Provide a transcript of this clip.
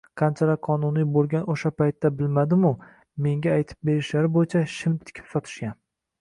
qanchalar qonuniy boʻlgan oʻsha paytda bilmadim-u, menga aytib berishlari boʻyicha, shim tikib sotishgan.